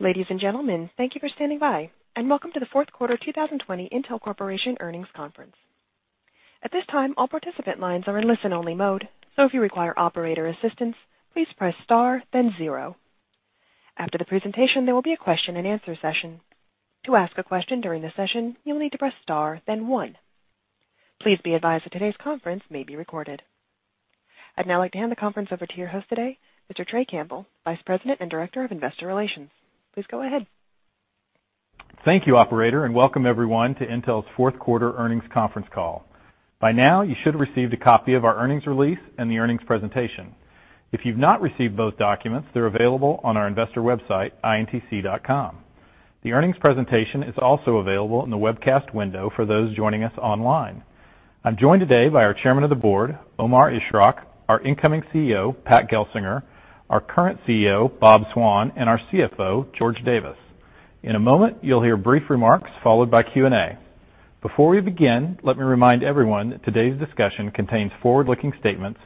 Ladies and gentlemen, thank you for standing by and welcome to the fourth quarter 2020 Intel Corporation earnings conference. At this time, all participant lines are in listen-only mode, so if you require operator assistance, please press star then zero. After the presentation, there will be a question and answer session. To ask a question during the session, you'll need to press star then one. Please be advised that today's conference may be recorded. I'd now like to hand the conference over to your host today, Mr. Trey Campbell, Vice President and Director of Investor Relations. Please go ahead. Thank you, operator, and welcome everyone to Intel's fourth quarter earnings conference call. By now, you should have received a copy of our earnings release and the earnings presentation. If you've not received both documents, they're available on our investor website, intc.com. The earnings presentation is also available in the webcast window for those joining us online. I'm joined today by our Chairman of the Board, Omar Ishrak, our incoming CEO, Pat Gelsinger, our current CEO, Bob Swan, and our CFO, George Davis. In a moment, you'll hear brief remarks followed by Q&A. Before we begin, let me remind everyone that today's discussion contains forward-looking statements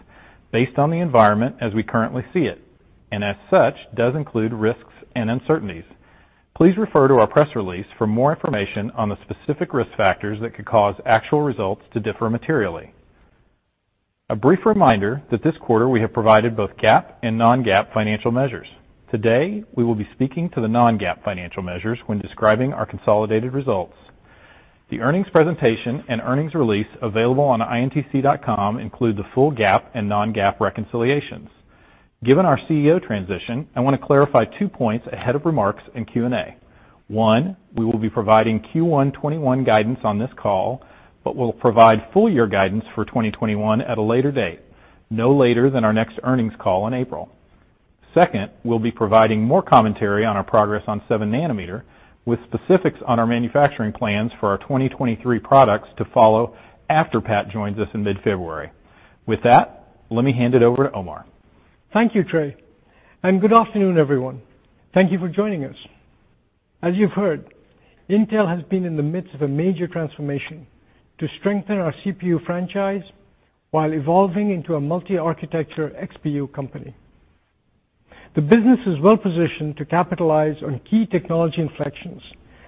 based on the environment as we currently see it, as such, does include risks and uncertainties. Please refer to our press release for more information on the specific risk factors that could cause actual results to differ materially. A brief reminder that this quarter we have provided both GAAP and non-GAAP financial measures. Today, we will be speaking to the non-GAAP financial measures when describing our consolidated results. The earnings presentation and earnings release available on intc.com include the full GAAP and non-GAAP reconciliations. Given our CEO transition, I want to clarify two points ahead of remarks in Q&A. One, we will be providing Q1 2021 guidance on this call, but we'll provide full year guidance for 2021 at a later date, no later than our next earnings call in April. Second, we'll be providing more commentary on our progress on 7-nanometer with specifics on our manufacturing plans for our 2023 products to follow after Pat joins us in mid-February. With that, let me hand it over to Omar. Thank you, Trey. Good afternoon, everyone. Thank you for joining us. As you've heard, Intel has been in the midst of a major transformation to strengthen our CPU franchise while evolving into a multi-architecture XPU company. The business is well-positioned to capitalize on key technology inflections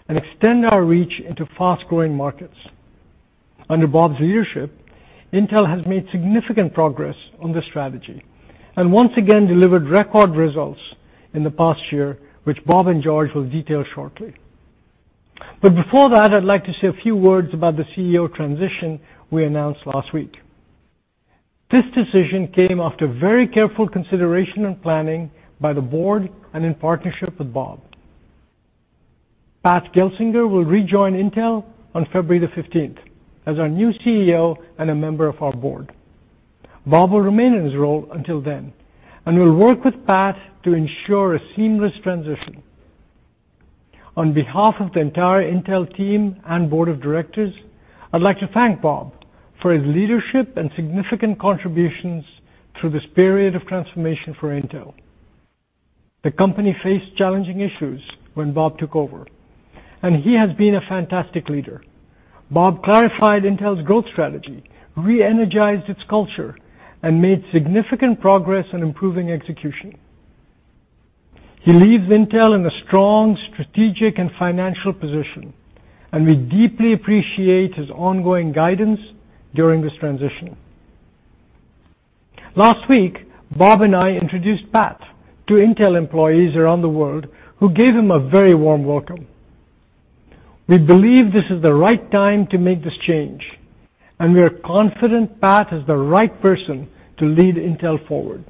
and extend our reach into fast-growing markets. Under Bob's leadership, Intel has made significant progress on this strategy and once again delivered record results in the past year, which Bob and George will detail shortly. Before that, I'd like to say a few words about the CEO transition we announced last week. This decision came after very careful consideration and planning by the board and in partnership with Bob. Pat Gelsinger will rejoin Intel on February 15th as our new CEO and a member of our board. Bob will remain in his role until then and will work with Pat to ensure a seamless transition. On behalf of the entire Intel team and board of directors, I'd like to thank Bob for his leadership and significant contributions through this period of transformation for Intel. The company faced challenging issues when Bob took over, and he has been a fantastic leader. Bob clarified Intel's growth strategy, re-energized its culture, and made significant progress in improving execution. He leaves Intel in a strong strategic and financial position, and we deeply appreciate his ongoing guidance during this transition. Last week, Bob and I introduced Pat to Intel employees around the world, who gave him a very warm welcome. We believe this is the right time to make this change, and we are confident Pat is the right person to lead Intel forward.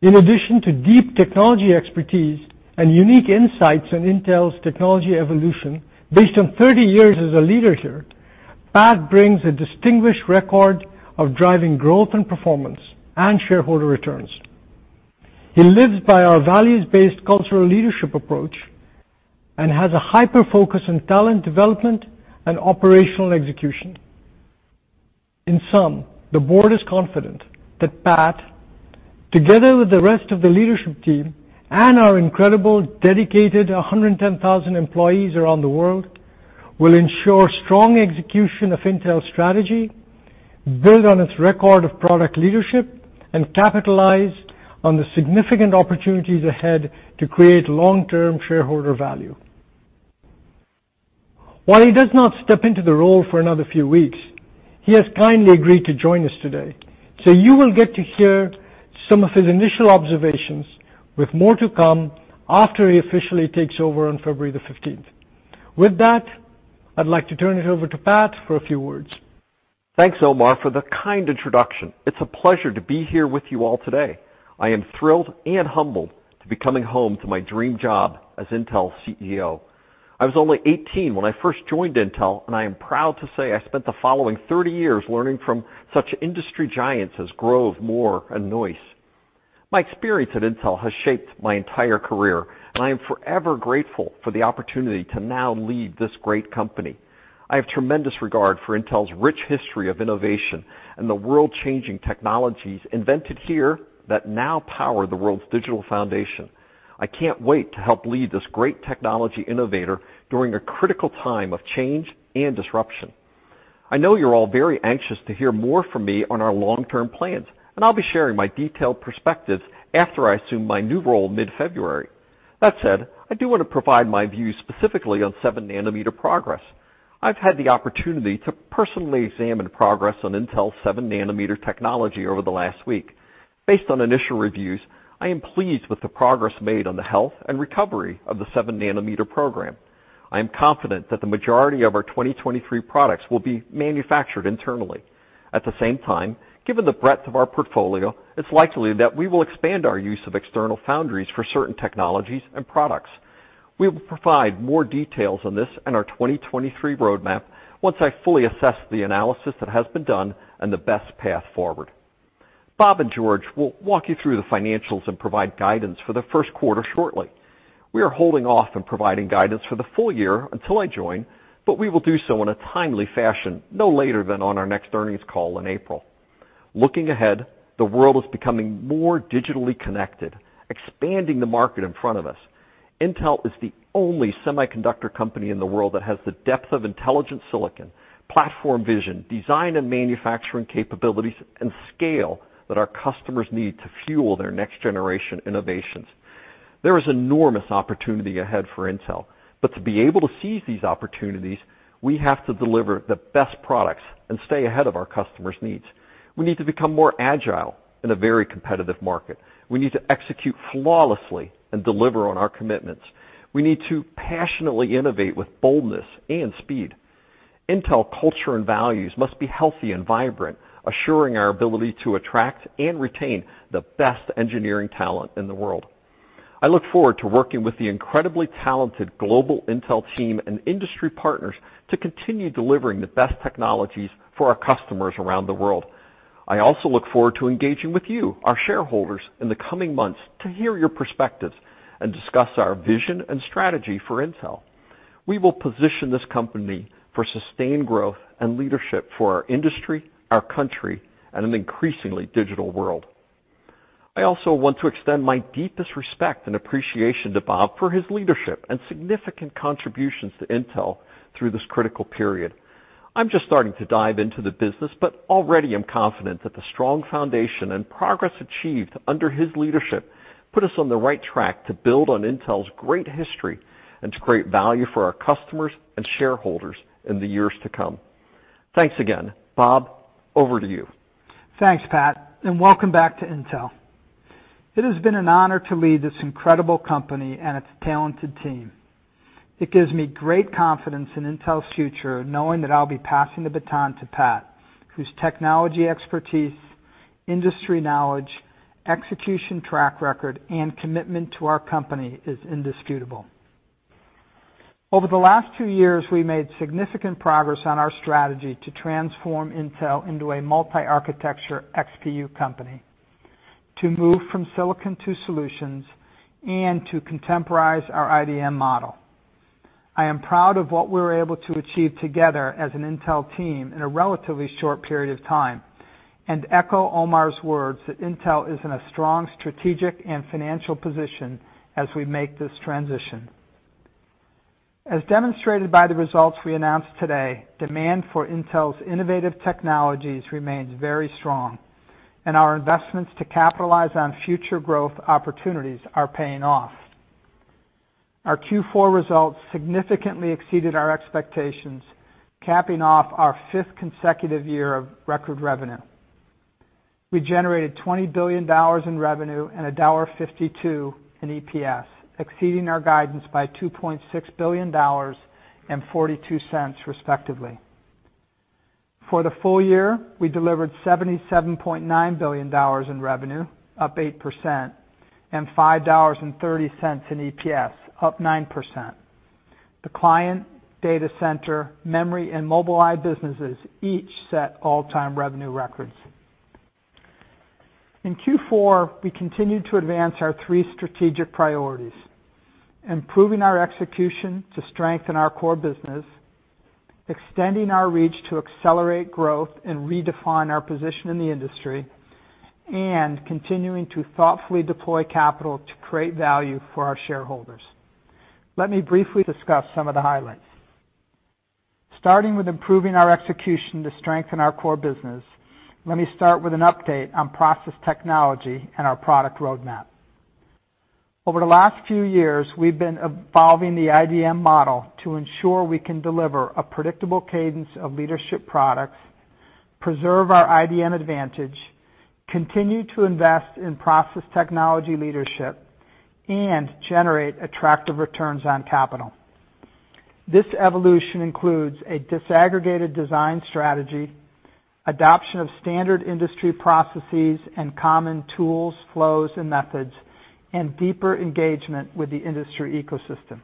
In addition to deep technology expertise and unique insights on Intel's technology evolution based on 30 years as a leader here, Pat brings a distinguished record of driving growth and performance and shareholder returns. He lives by our values-based cultural leadership approach and has a hyper-focus on talent development and operational execution. In sum, the board is confident that Pat, together with the rest of the leadership team and our incredible dedicated 110,000 employees around the world, will ensure strong execution of Intel strategy, build on its record of product leadership, and capitalize on the significant opportunities ahead to create long-term shareholder value. While he does not step into the role for another few weeks, he has kindly agreed to join us today, so you will get to hear some of his initial observations with more to come after he officially takes over on February the 15th. With that, I'd like to turn it over to Pat for a few words. Thanks, Omar, for the kind introduction. It's a pleasure to be here with you all today. I am thrilled and humbled to be coming home to my dream job as Intel CEO. I was only 18 when I first joined Intel, and I am proud to say I spent the following 30 years learning from such industry giants as Grove, Moore, and Noyce. My experience at Intel has shaped my entire career, and I am forever grateful for the opportunity to now lead this great company. I have tremendous regard for Intel's rich history of innovation and the world-changing technologies invented here that now power the world's digital foundation. I can't wait to help lead this great technology innovator during a critical time of change and disruption. I know you're all very anxious to hear more from me on our long-term plans, and I'll be sharing my detailed perspectives after I assume my new role mid-February. That said, I do want to provide my views specifically on 7-nanometer progress. I've had the opportunity to personally examine progress on Intel's 7-nanometer technology over the last week. Based on initial reviews, I am pleased with the progress made on the health and recovery of the 7-nanometer program. I am confident that the majority of our 2023 products will be manufactured internally. At the same time, given the breadth of our portfolio, it's likely that we will expand our use of external foundries for certain technologies and products. We will provide more details on this in our 2023 roadmap once I fully assess the analysis that has been done and the best path forward. Bob and George will walk you through the financials and provide guidance for the first quarter shortly. We are holding off on providing guidance for the full year until I join, but we will do so in a timely fashion, no later than on our next earnings call in April. Looking ahead, the world is becoming more digitally connected, expanding the market in front of us. Intel is the only semiconductor company in the world that has the depth of intelligent silicon, platform vision, design and manufacturing capabilities, and scale that our customers need to fuel their next-generation innovations. There is enormous opportunity ahead for Intel, but to be able to seize these opportunities, we have to deliver the best products and stay ahead of our customers' needs. We need to become more agile in a very competitive market. We need to execute flawlessly and deliver on our commitments. We need to passionately innovate with boldness and speed. Intel culture and values must be healthy and vibrant, assuring our ability to attract and retain the best engineering talent in the world. I look forward to working with the incredibly talented global Intel team and industry partners to continue delivering the best technologies for our customers around the world. I also look forward to engaging with you, our shareholders, in the coming months to hear your perspectives and discuss our vision and strategy for Intel. We will position this company for sustained growth and leadership for our industry, our country, and an increasingly digital world. I also want to extend my deepest respect and appreciation to Bob for his leadership and significant contributions to Intel through this critical period. I'm just starting to dive into the business but already am confident that the strong foundation and progress achieved under his leadership put us on the right track to build on Intel's great history and to create value for our customers and shareholders in the years to come. Thanks again. Bob, over to you. Thanks, Pat, and welcome back to Intel. It has been an honor to lead this incredible company and its talented team. It gives me great confidence in Intel's future, knowing that I'll be passing the baton to Pat, whose technology expertise, industry knowledge, execution track record, and commitment to our company is indisputable. Over the last two years, we made significant progress on our strategy to transform Intel into a multi-architecture XPU company, to move from silicon to solutions, and to contemporize our IDM model. I am proud of what we were able to achieve together as an Intel team in a relatively short period of time and echo Omar's words that Intel is in a strong strategic and financial position as we make this transition. As demonstrated by the results we announced today, demand for Intel's innovative technologies remains very strong, and our investments to capitalize on future growth opportunities are paying off. Our Q4 results significantly exceeded our expectations, capping off our fifth consecutive year of record revenue. We generated $20 billion in revenue and $1.52 in EPS, exceeding our guidance by $2.6 billion and $0.42 respectively. For the full year, we delivered $77.9 billion in revenue, up 8%, and $5.30 in EPS, up 9%. The client, data center, memory, and Mobileye businesses each set all-time revenue records. In Q4, we continued to advance our three strategic priorities, improving our execution to strengthen our core business, extending our reach to accelerate growth and redefine our position in the industry, and continuing to thoughtfully deploy capital to create value for our shareholders. Let me briefly discuss some of the highlights. Starting with improving our execution to strengthen our core business, let me start with an update on process technology and our product roadmap. Over the last few years, we've been evolving the IDM model to ensure we can deliver a predictable cadence of leadership products, preserve our IDM advantage, continue to invest in process technology leadership, and generate attractive returns on capital. This evolution includes a disaggregated design strategy, adoption of standard industry processes and common tools, flows, and methods, and deeper engagement with the industry ecosystem.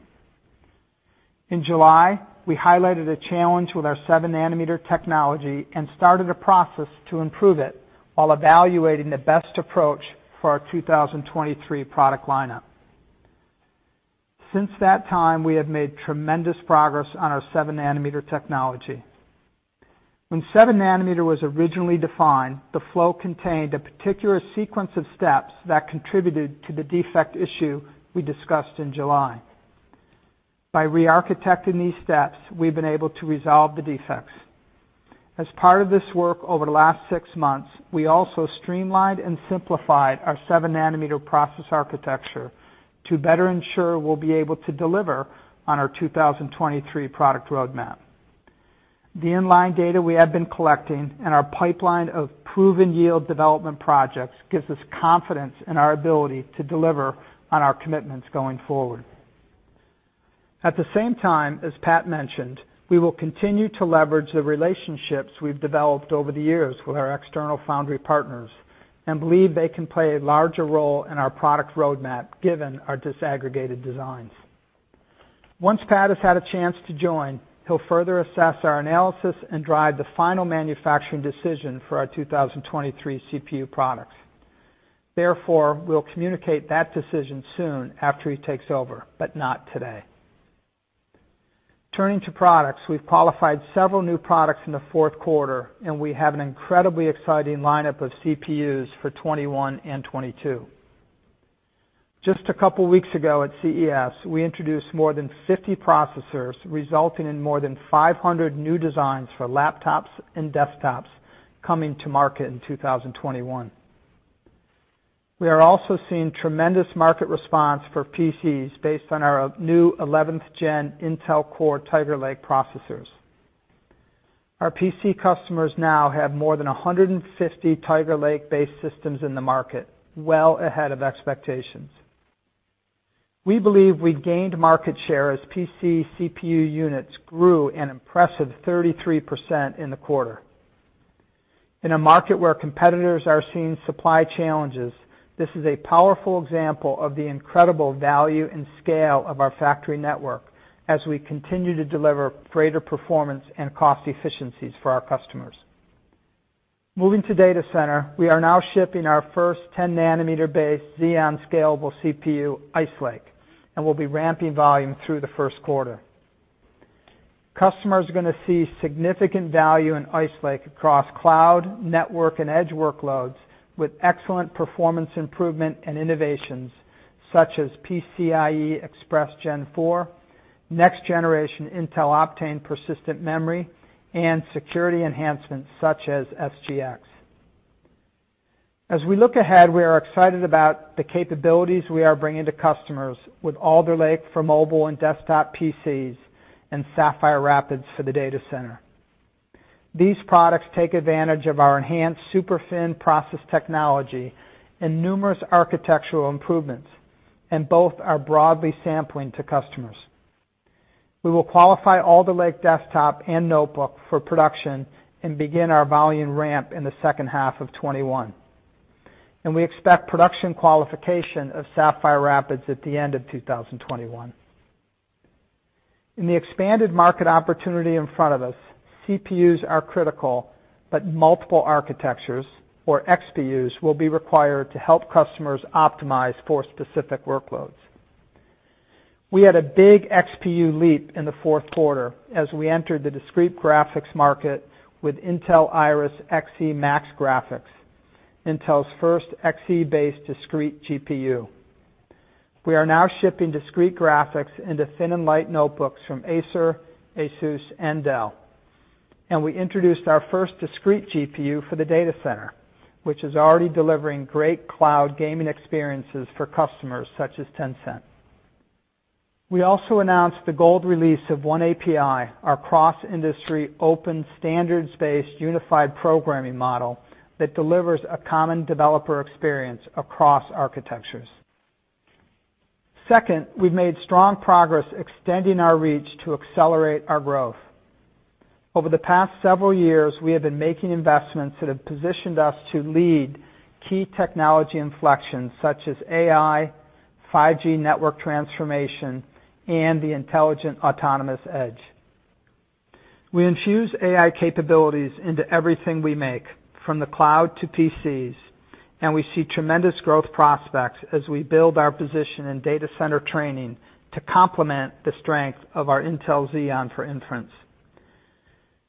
In July, we highlighted a challenge with our 7-nanometer technology and started a process to improve it while evaluating the best approach for our 2023 product lineup. Since that time, we have made tremendous progress on our 7-nanometer technology. When 7-nanometer was originally defined, the flow contained a particular sequence of steps that contributed to the defect issue we discussed in July. By re-architecting these steps, we've been able to resolve the defects. As part of this work over the last six months, we also streamlined and simplified our 7-nanometer process architecture to better ensure we'll be able to deliver on our 2023 product roadmap. The inline data we have been collecting and our pipeline of proven yield development projects gives us confidence in our ability to deliver on our commitments going forward. At the same time, as Pat mentioned, we will continue to leverage the relationships we've developed over the years with our external foundry partners and believe they can play a larger role in our product roadmap, given our disaggregated designs. Once Pat has had a chance to join, he'll further assess our analysis and drive the final manufacturing decision for our 2023 CPU products. We'll communicate that decision soon after he takes over, but not today. Turning to products, we've qualified several new products in the fourth quarter, and we have an incredibly exciting lineup of CPUs for 2021 and 2022. Just a couple of weeks ago at CES, we introduced more than 50 processors, resulting in more than 500 new designs for laptops and desktops coming to market in 2021. We are also seeing tremendous market response for PCs based on our new 11th Gen Intel Core Tiger Lake processors. Our PC customers now have more than 150 Tiger Lake-based systems in the market, well ahead of expectations. We believe we gained market share as PC CPU units grew an impressive 33% in the quarter. In a market where competitors are seeing supply challenges, this is a powerful example of the incredible value and scale of our factory network as we continue to deliver greater performance and cost efficiencies for our customers. Moving to data center, we are now shipping our first 10-nanometer-based Xeon Scalable CPU, Ice Lake, and we'll be ramping volume through the first quarter. Customers are going to see significant value in Ice Lake across cloud, network, and edge workloads, with excellent performance improvement and innovations such as PCI Express Gen 4, next-generation Intel Optane persistent memory, and security enhancements such as SGX. As we look ahead, we are excited about the capabilities we are bringing to customers with Alder Lake for mobile and desktop PCs and Sapphire Rapids for the data center. These products take advantage of our enhanced SuperFin process technology and numerous architectural improvements, both are broadly sampling to customers. We will qualify Alder Lake desktop and notebook for production and begin our volume ramp in the second half of 2021. We expect production qualification of Sapphire Rapids at the end of 2021. In the expanded market opportunity in front of us, CPUs are critical, multiple architectures or XPUs will be required to help customers optimize for specific workloads. We had a big XPU leap in the fourth quarter as we entered the discrete graphics market with Intel Iris Xe MAX Graphics, Intel's first Xe-based discrete GPU. We are now shipping discrete graphics into thin and light notebooks from Acer, ASUS, and Dell. We introduced our first discrete GPU for the data center, which is already delivering great cloud gaming experiences for customers such as Tencent. We also announced the gold release of oneAPI, our cross-industry open standards-based unified programming model that delivers a common developer experience across architectures. Second, we've made strong progress extending our reach to accelerate our growth. Over the past several years, we have been making investments that have positioned us to lead key technology inflection such as AI, 5G network transformation, and the intelligent autonomous edge. We infuse AI capabilities into everything we make from the cloud to PCs, and we see tremendous growth prospects as we build our position in data center training to complement the strength of our Intel Xeon for inference.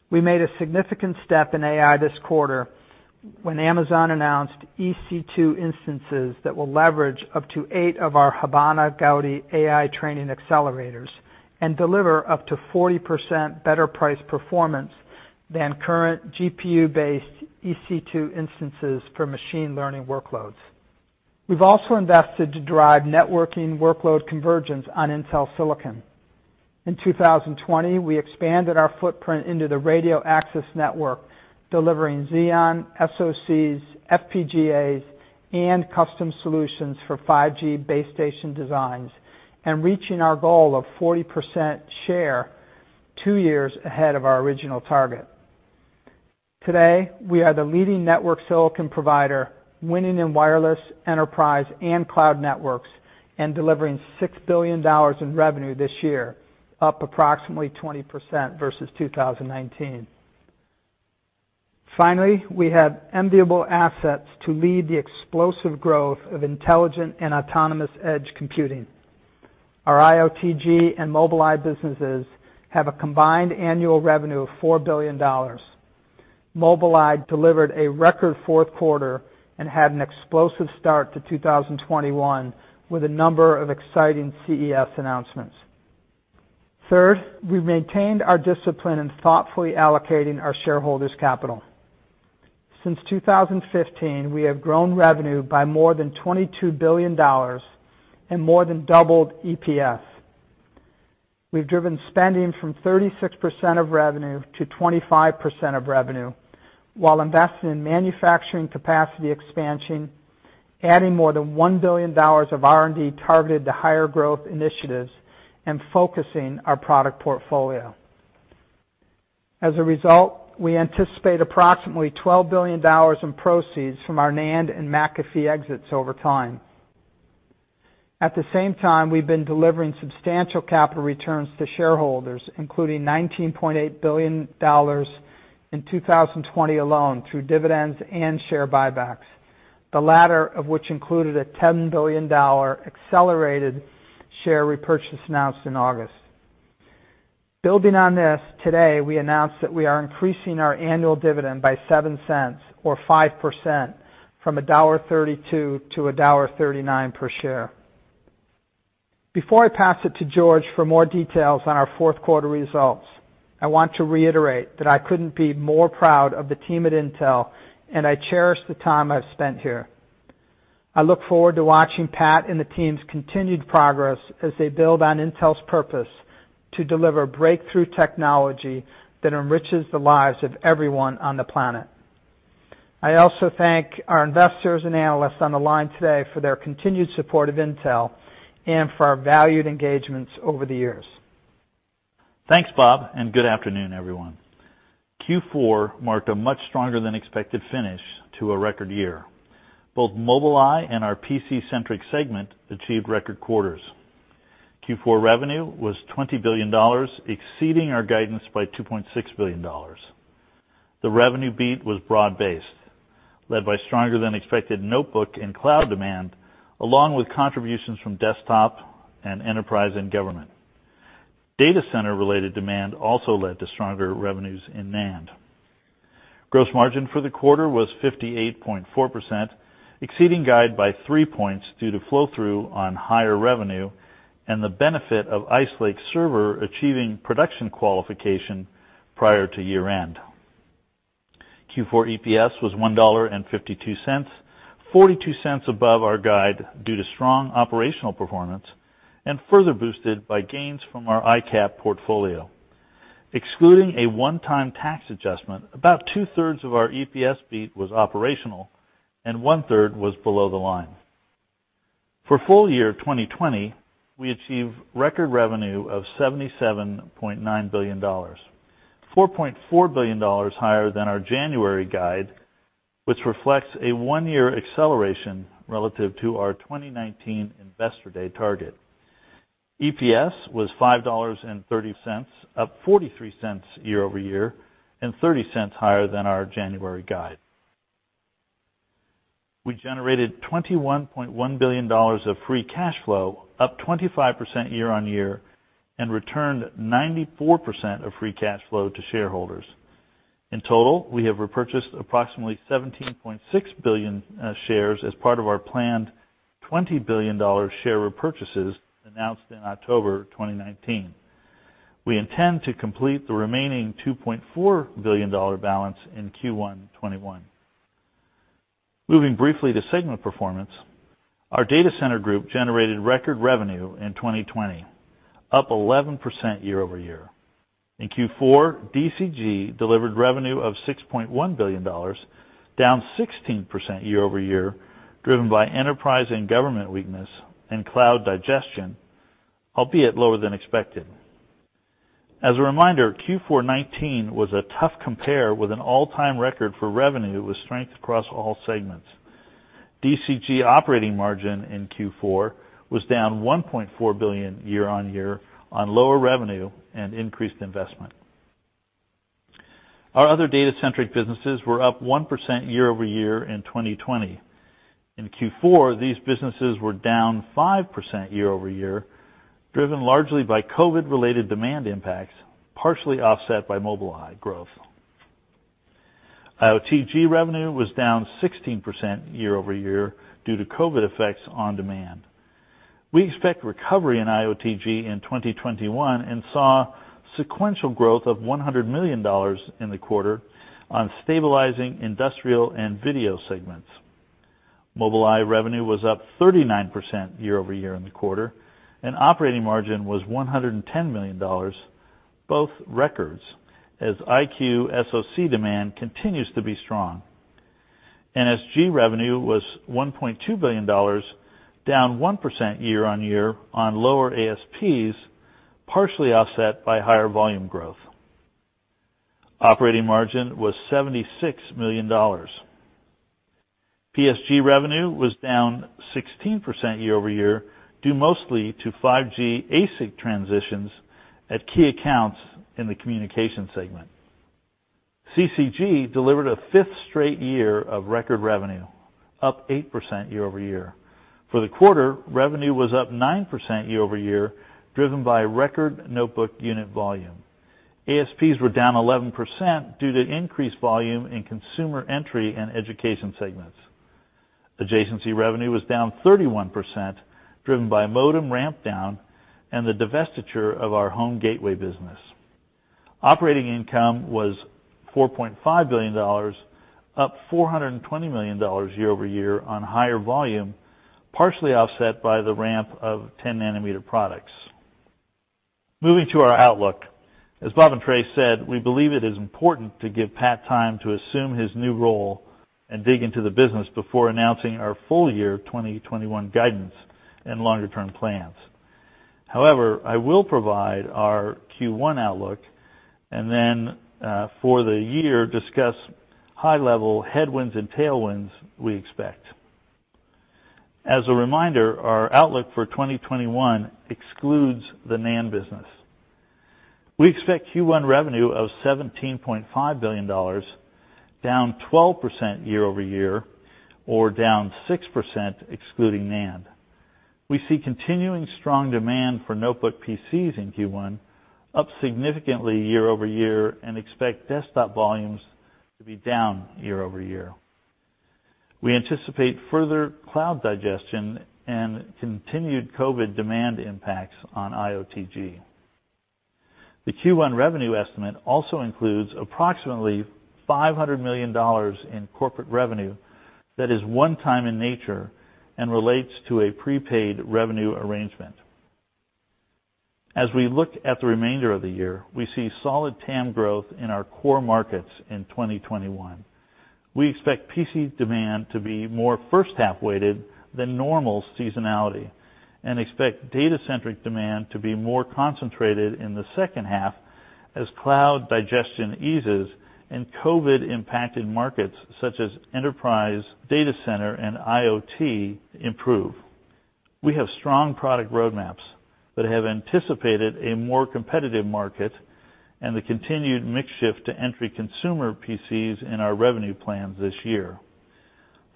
We made a significant step in AI this quarter when Amazon announced EC2 instances that will leverage up to eight of our Habana Gaudi AI training accelerators and deliver up to 40% better price performance than current GPU-based EC2 instances for machine learning workloads. We've also invested to drive networking workload convergence on Intel silicon. In 2020, we expanded our footprint into the radio access network, delivering Xeon, SoCs, FPGAs, and custom solutions for 5G base station designs and reaching our goal of 40% share two years ahead of our original target. Today, we are the leading network silicon provider, winning in wireless, enterprise, and cloud networks, and delivering $6 billion in revenue this year, up approximately 20% versus 2019. Finally, we have enviable assets to lead the explosive growth of intelligent and autonomous edge computing. Our IoTG and Mobileye businesses have a combined annual revenue of $4 billion. Mobileye delivered a record fourth quarter and had an explosive start to 2021 with a number of exciting CES announcements. Third, we've maintained our discipline in thoughtfully allocating our shareholders capital. Since 2015, we have grown revenue by more than $22 billion and more than doubled EPS. We've driven spending from 36% of revenue to 25% of revenue while investing in manufacturing capacity expansion, adding more than $1 billion of R&D targeted to higher growth initiatives, and focusing our product portfolio. As a result, we anticipate approximately $12 billion in proceeds from our NAND and McAfee exits over time. At the same time, we've been delivering substantial capital returns to shareholders, including $19.8 billion in 2020 alone through dividends and share buybacks, the latter of which included a $10 billion accelerated share repurchase announced in August. Building on this, today, we announced that we are increasing our annual dividend by $0.07 or 5% from $1.32 to $1.39 per share. Before I pass it to George for more details on our fourth quarter results, I want to reiterate that I couldn't be more proud of the team at Intel, and I cherish the time I've spent here. I look forward to watching Pat and the team's continued progress as they build on Intel's purpose to deliver breakthrough technology that enriches the lives of everyone on the planet. I also thank our investors and analysts on the line today for their continued support of Intel and for our valued engagements over the years. Thanks, Bob, and good afternoon, everyone. Q4 marked a much stronger than expected finish to a record year. Both Mobileye and our PC-centric segment achieved record quarters. Q4 revenue was $20 billion, exceeding our guidance by $2.6 billion. The revenue beat was broad-based, led by stronger than expected notebook and cloud demand, along with contributions from desktop and enterprise and government. Data center-related demand also led to stronger revenues in NAND. Gross margin for the quarter was 58.4%, exceeding guide by 3 points due to flow-through on higher revenue and the benefit of Ice Lake server achieving production qualification prior to year-end. Q4 EPS was $1.52, $0.42 above our guide due to strong operational performance and further boosted by gains from our ICAP portfolio. Excluding a one-time tax adjustment, about 2/3 of our EPS beat was operational and 1/3 was below the line. For full year 2020, we achieved record revenue of $77.9 billion, $4.4 billion higher than our January guide, which reflects a one-year acceleration relative to our 2019 Investor Day target. EPS was $5.30, up $0.43 year-over-year and $0.30 higher than our January guide. We generated $21.1 billion of free cash flow, up 25% year-on-year, and returned 94% of free cash flow to shareholders. In total, we have repurchased approximately 17.6 billion shares as part of our planned $20 billion share repurchases announced in October 2019. We intend to complete the remaining $2.4 billion balance in Q1 2021. Moving briefly to segment performance, our Data Center Group generated record revenue in 2020, up 11% year-over-year. In Q4, DCG delivered revenue of $6.1 billion, down 16% year-over-year, driven by enterprise and government weakness and cloud digestion, albeit lower than expected. As a reminder, Q4 2019 was a tough compare with an all-time record for revenue with strength across all segments. DCG operating margin in Q4 was down $1.4 billion year-on-year on lower revenue and increased investment. Our other data-centric businesses were up 1% year-over-year in 2020. In Q4, these businesses were down 5% year-over-year, driven largely by COVID-related demand impacts, partially offset by Mobileye growth. IoTG revenue was down 16% year-over-year due to COVID effects on demand. We expect recovery in IoTG in 2021 and saw sequential growth of $100 million in the quarter on stabilizing industrial and video segments. Mobileye revenue was up 39% year-over-year in the quarter, and operating margin was $110 million, both records as EyeQ SoC demand continues to be strong. NSG revenue was $1.2 billion, down 1% year-on-year on lower ASPs, partially offset by higher volume growth. Operating margin was $76 million. PSG revenue was down 16% year-over-year, due mostly to 5G ASIC transitions at key accounts in the communication segment. CCG delivered a fifth straight year of record revenue, up 8% year-over-year. For the quarter, revenue was up 9% year-over-year, driven by record notebook unit volume. ASPs were down 11% due to increased volume in consumer entry and education segments. Adjacency revenue was down 31%, driven by modem ramp down and the divestiture of our home gateway business. Operating income was $4.5 billion, up $420 million year-over-year on higher volume, partially offset by the ramp of 10-nanometer products. Moving to our outlook. As Bob and Trey said, we believe it is important to give Pat time to assume his new role and dig into the business before announcing our full year 2021 guidance and longer-term plans. However, I will provide our Q1 outlook and then, for the year, discuss high-level headwinds and tailwinds we expect. As a reminder, our outlook for 2021 excludes the NAND business. We expect Q1 revenue of $17.5 billion, down 12% year-over-year, or down 6% excluding NAND. We see continuing strong demand for notebook PCs in Q1, up significantly year-over-year, and expect desktop volumes to be down year-over-year. We anticipate further cloud digestion and continued COVID demand impacts on IoTG. The Q1 revenue estimate also includes approximately $500 million in corporate revenue that is one time in nature and relates to a prepaid revenue arrangement. As we look at the remainder of the year, we see solid TAM growth in our core markets in 2021. We expect PC demand to be more first half-weighted than normal seasonality and expect data-centric demand to be more concentrated in the second half as cloud digestion eases and COVID-impacted markets such as enterprise data center and IoT improve. We have strong product roadmaps that have anticipated a more competitive market and the continued mix shift to entry consumer PCs in our revenue plans this year.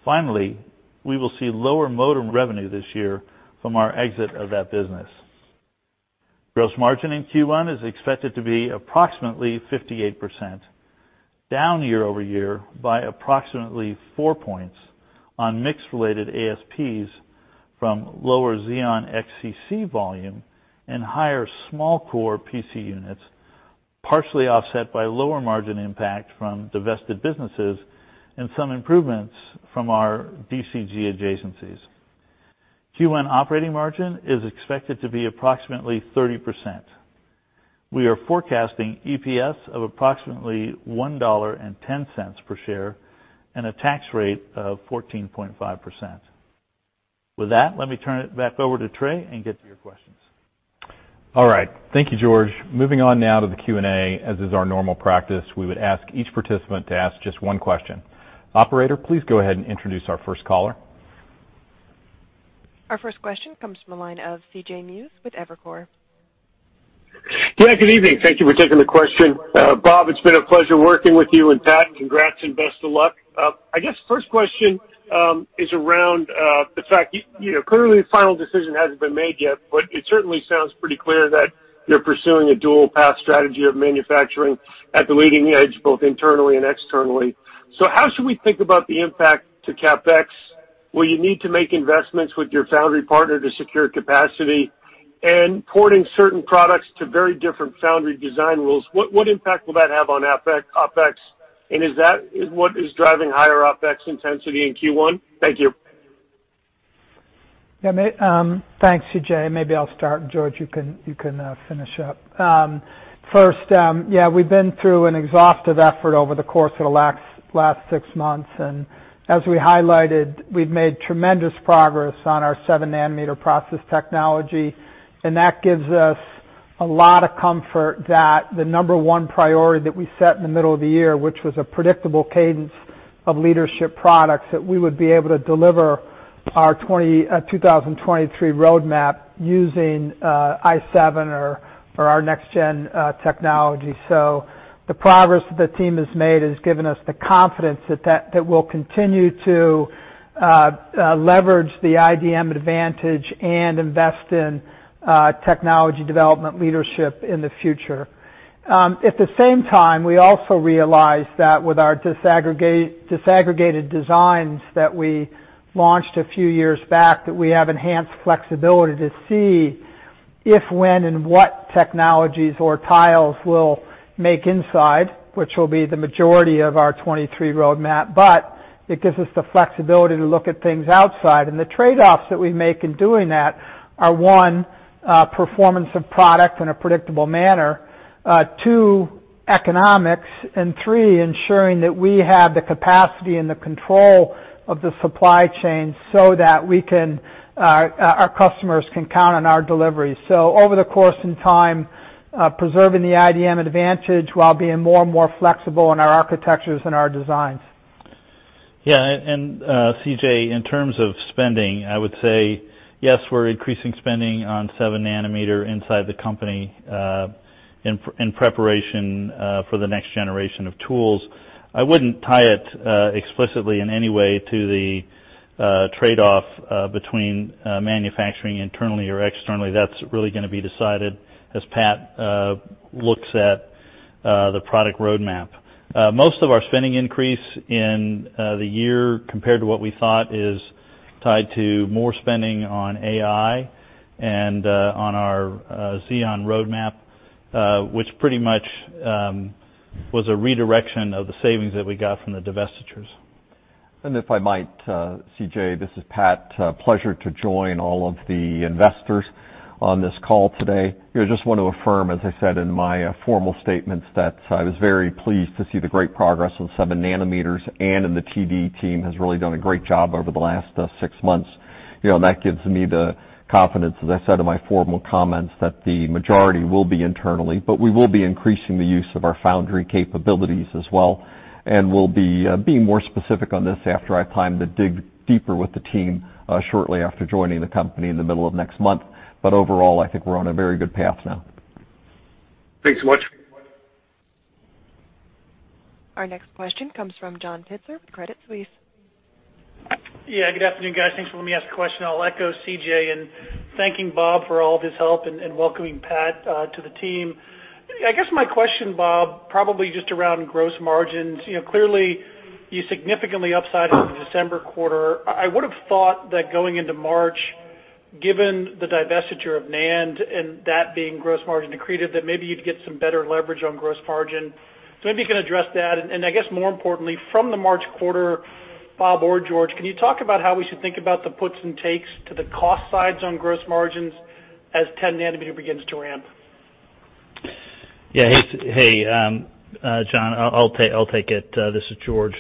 Finally, we will see lower modem revenue this year from our exit of that business. Gross margin in Q1 is expected to be approximately 58%, down year-over-year by approximately 4 points on mix-related ASPs from lower Xeon XCC volume and higher small core PC units, partially offset by lower margin impact from divested businesses and some improvements from our DCG adjacencies. Q1 operating margin is expected to be approximately 30%. We are forecasting EPS of approximately $1.10 per share and a tax rate of 14.5%. With that, let me turn it back over to Trey and get to your questions. All right. Thank you, George. Moving on now to the Q&A. As is our normal practice, we would ask each participant to ask just one question. Operator, please go ahead and introduce our first caller. Our first question comes from the line of C.J. Muse with Evercore. Yeah, good evening. Thank you for taking the question. Bob, it's been a pleasure working with you and Pat. Congrats and best of luck. I guess first question is around the fact, currently the final decision hasn't been made yet, but it certainly sounds pretty clear that you're pursuing a dual path strategy of manufacturing at the leading edge, both internally and externally. How should we think about the impact to CapEx, where you need to make investments with your foundry partner to secure capacity and porting certain products to very different foundry design rules? What impact will that have on OpEx? Is that what is driving higher OpEx intensity in Q1? Thank you. Yeah, mate. Thanks, C.J. Maybe I'll start, George, you can finish up. First, yeah, we've been through an exhaustive effort over the course of the last six months. As we highlighted, we've made tremendous progress on our 7-nanometer process technology. That gives us a lot of comfort that the number one priority that we set in the middle of the year, which was a predictable cadence of leadership products, that we would be able to deliver our 2023 roadmap using i7 or our next-gen technology. The progress that the team has made has given us the confidence that we'll continue to leverage the IDM advantage and invest in technology development leadership in the future. At the same time, we also realized that with our disaggregated designs that we launched a few years back, that we have enhanced flexibility to see if when, and what technologies or tiles we'll make inside, which will be the majority of our 2023 roadmap, it gives us the flexibility to look at things outside. The trade-offs that we make in doing that are, one, performance of product in a predictable manner, two, economics, and three, ensuring that we have the capacity and the control of the supply chain so that our customers can count on our delivery. Over the course in time, preserving the IDM advantage while being more and more flexible in our architectures and our designs. Yeah, C.J., in terms of spending, I would say, yes, we're increasing spending on 7-nanometer inside the company in preparation for the next generation of tools. I wouldn't tie it explicitly in any way to the trade-off between manufacturing internally or externally. That's really going to be decided as Pat looks at the product roadmap. Most of our spending increase in the year compared to what we thought is tied to more spending on AI and on our Xeon roadmap, which pretty much was a redirection of the savings that we got from the divestitures. If I might, C.J., this is Pat. Pleasure to join all of the investors on this call today. I just want to affirm, as I said in my formal statements, that I was very pleased to see the great progress on seven nanometers, and the TD team has really done a great job over the last six months. That gives me the confidence, as I said in my formal comments, that the majority will be internally. We will be increasing the use of our foundry capabilities as well, and we'll be more specific on this after I've had time to dig deeper with the team shortly after joining the company in the middle of next month. Overall, I think we're on a very good path now. Thanks so much. Our next question comes from John Pitzer with Credit Suisse. Yeah, good afternoon, guys. Thanks for letting me ask a question. I'll echo C.J. in thanking Bob for all of his help and welcoming Pat to the team. I guess my question, Bob, probably just around gross margins. Clearly, you significantly upsided the December quarter. I would've thought that going into March, given the divestiture of NAND and that being gross margin accretive, that maybe you'd get some better leverage on gross margin. Maybe you can address that. I guess more importantly, from the March quarter, Bob or George, can you talk about how we should think about the puts and takes to the cost sides on gross margins as 10-nanometer begins to ramp? Yeah. Hey John, I'll take it. This is George.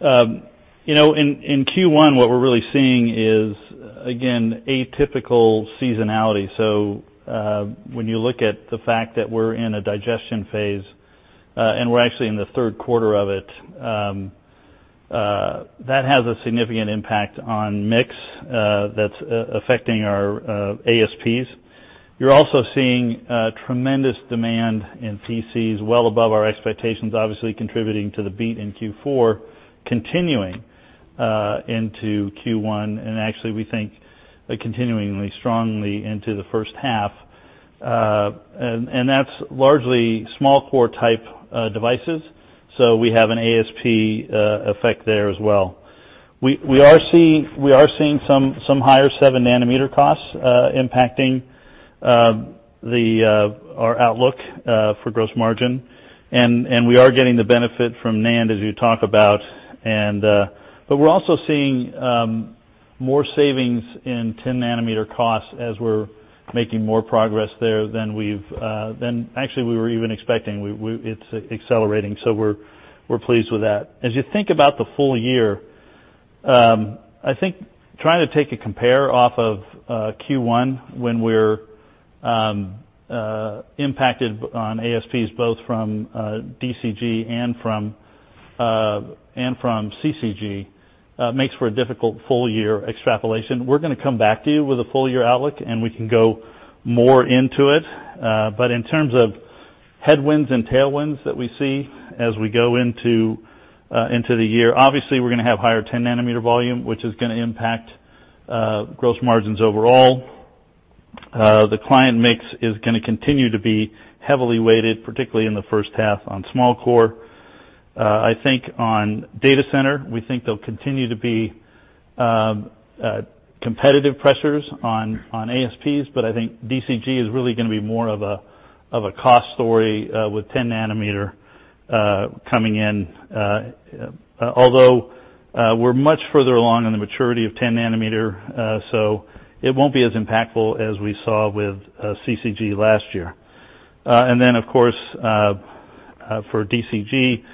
In Q1, what we're really seeing is, again, atypical seasonality. When you look at the fact that we're in a digestion phase, and we're actually in the third quarter of it, that has a significant impact on mix that's affecting our ASPs. You're also seeing tremendous demand in PCs well above our expectations, obviously contributing to the beat in Q4, continuing into Q1, and actually we think continuing strongly into the first half. That's largely small core type devices, so we have an ASP effect there as well. We are seeing some higher 7-nanometer costs impacting our outlook for gross margin, and we are getting the benefit from NAND, as you talk about. We're also seeing more savings in 10-nanometer costs as we're making more progress there than actually we were even expecting. It's accelerating. We're pleased with that. As you think about the full year, I think trying to take a compare off of Q1 when we're impacted on ASPs both from DCG and from CCG makes for a difficult full-year extrapolation. We're going to come back to you with a full-year outlook. We can go more into it. In terms of headwinds and tailwinds that we see as we go into the year, obviously, we're going to have higher 10-nanometer volume, which is going to impact gross margins overall. The client mix is going to continue to be heavily weighted, particularly in the first half on small core. I think on data center, we think there'll continue to be competitive pressures on ASPs. I think DCG is really going to be more of a cost story with 10-nanometer coming in. We're much further along in the maturity of 10-nanometer, so it won't be as impactful as we saw with CCG last year. Of course, for DCG,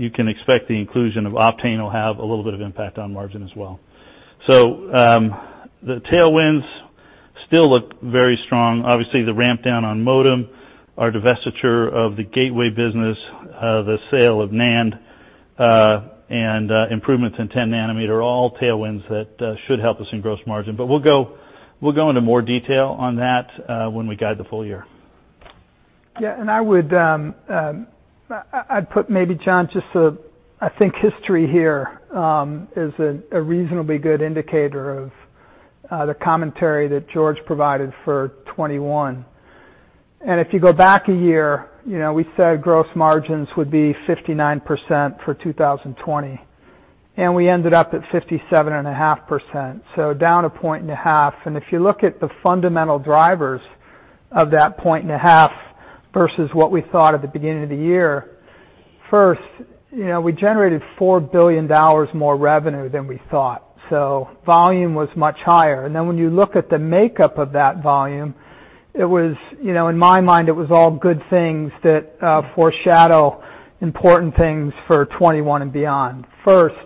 you can expect the inclusion of Optane will have a little bit of impact on margin as well. The tailwinds still look very strong. Obviously, the ramp down on modem, our divestiture of the gateway business, the sale of NAND, and improvements in 10-nanometer are all tailwinds that should help us in gross margin. We'll go into more detail on that when we guide the full year. Yeah, I'd put maybe, John, just I think history here is a reasonably good indicator of the commentary that George provided for 2021. If you go back a year, we said gross margins would be 59% for 2020, and we ended up at 57.5%, so down 1.5 point. If you look at the fundamental drivers of that 1.5 point versus what we thought at the beginning of the year, first, we generated $4 billion more revenue than we thought. Volume was much higher. When you look at the makeup of that volume, in my mind, it was all good things that foreshadow important things for 2021 and beyond. First,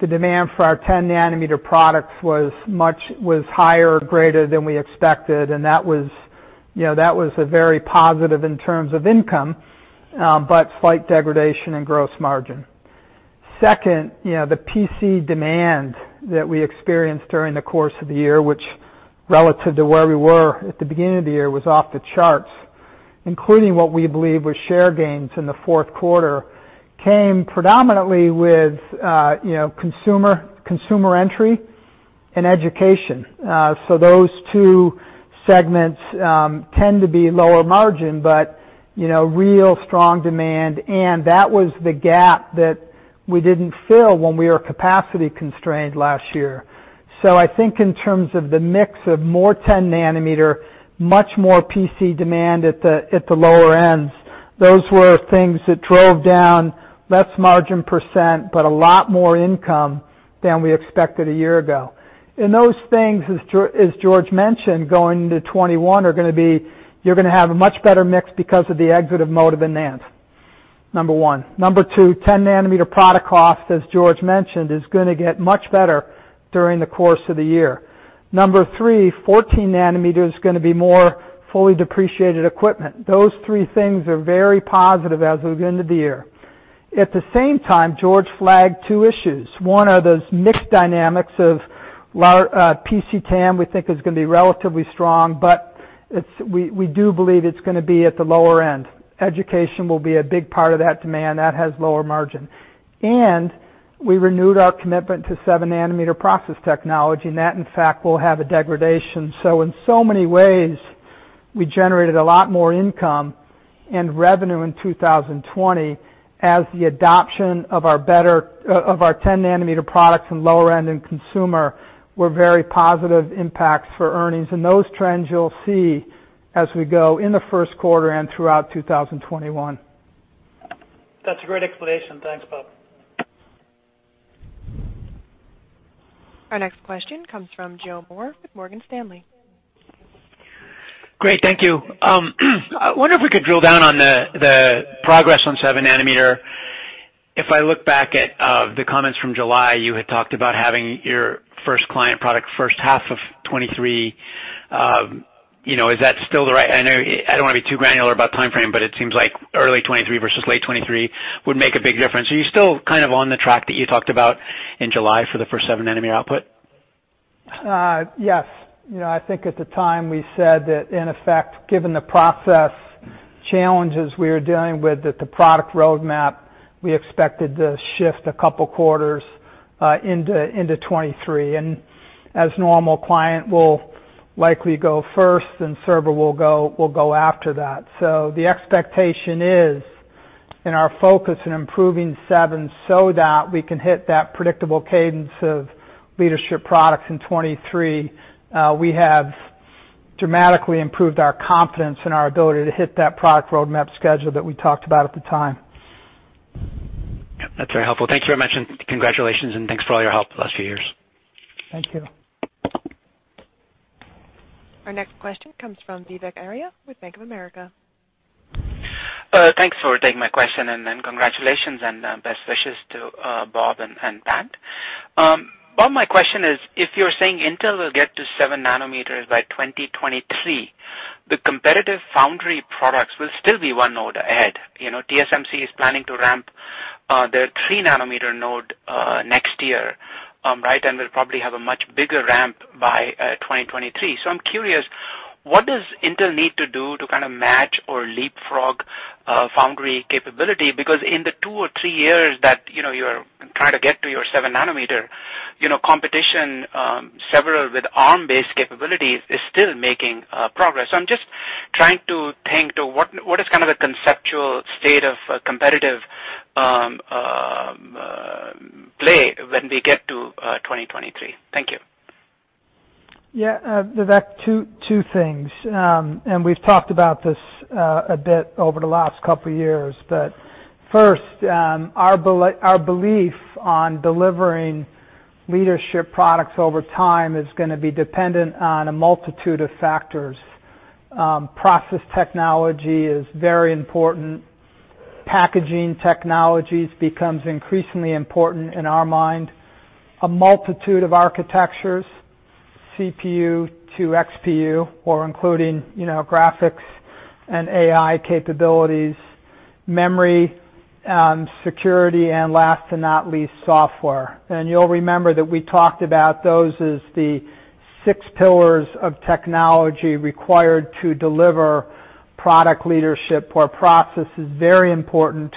the demand for our 10-nanometer products was higher, greater than we expected, and that was very positive in terms of income, but slight degradation in gross margin. Second, the PC demand that we experienced during the course of the year, which relative to where we were at the beginning of the year, was off the charts, including what we believe were share gains in the fourth quarter, came predominantly with consumer entry and education. Those two segments tend to be lower margin, but real strong demand, and that was the gap that we didn't fill when we were capacity constrained last year. I think in terms of the mix of more 10-nanometer, much more PC demand at the lower ends, those were things that drove down less margin percent, but a lot more income than we expected a year ago. Those things, as George mentioned, going into 2021, you're going to have a much better mix because of the exit of modem and NAND, number one. Number two, 10-nanometer product cost, as George mentioned, is going to get much better during the course of the year. Number three, 14-nanometer is going to be more fully depreciated equipment. Those three things are very positive as we go into the year. At the same time, George flagged two issues. One are those mix dynamics of PC TAM, we think is going to be relatively strong, but we do believe it's going to be at the lower end. Education will be a big part of that demand, that has lower margin. We renewed our commitment to 7-nanometer process technology, and that in fact, will have a degradation. In so many ways, we generated a lot more income and revenue in 2020 as the adoption of our 10-nanometer products and lower end in consumer were very positive impacts for earnings. Those trends you'll see as we go in the first quarter and throughout 2021. That's a great explanation. Thanks, Bob. Our next question comes from Joe Moore with Morgan Stanley. Great. Thank you. I wonder if we could drill down on the progress on 7-nanometer. If I look back at the comments from July, you had talked about having your first client product first half of 2023. I don't want to be too granular about timeframe, but it seems like early 2023 versus late 2023 would make a big difference. Are you still on the track that you talked about in July for the first 7-nanometer output? Yes. I think at the time we said that in effect, given the process challenges we were dealing with, that the product roadmap, we expected to shift a couple of quarters into 2023. As normal, client will likely go first, then server will go after that. The expectation is in our focus in improving 7 so that we can hit that predictable cadence of leadership products in 2023. We have dramatically improved our confidence in our ability to hit that product roadmap schedule that we talked about at the time. Yep. That's very helpful. Thank you very much, and congratulations, and thanks for all your help the last few years. Thank you. Our next question comes from Vivek Arya with Bank of America. Thanks for taking my question. Congratulations, and best wishes to Bob and Pat. Bob, my question is, if you're saying Intel will get to 7-nanometer by 2023, the competitive foundry products will still be one node ahead. TSMC is planning to ramp their 3-nanometer node next year. Right? Will probably have a much bigger ramp by 2023. I'm curious, what does Intel need to do to match or leapfrog foundry capability? In the two or three years that you're trying to get to your 7-nanometer, competition, several with Arm-based capabilities, is still making progress. I'm just trying to think to what is the conceptual state of competitive play when we get to 2023? Thank you. Yeah. Vivek, two things, and we've talked about this a bit over the last couple of years. First, our belief on delivering leadership products over time is going to be dependent on a multitude of factors. Process technology is very important. Packaging technologies becomes increasingly important in our mind. A multitude of architectures, CPU to XPU, or including graphics and AI capabilities, memory, security, and last to not least, software. You'll remember that we talked about those as the six pillars of technology required to deliver product leadership, where process is very important,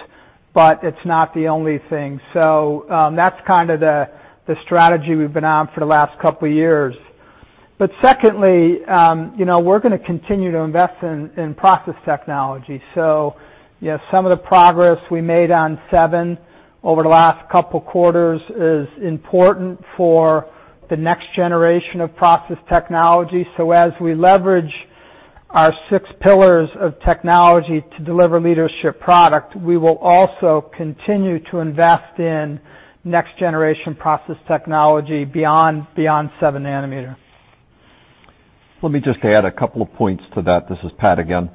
but it's not the only thing. That's the strategy we've been on for the last couple of years. Secondly, we're going to continue to invest in process technology. Yes, some of the progress we made on 7 over the last couple of quarters is important for the next generation of process technology. As we leverage our six pillars of technology to deliver leadership product, we will also continue to invest in next-generation process technology beyond 7-nanometer. Let me just add a couple of points to that. This is Pat again.